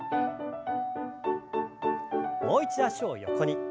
もう一度脚を横に。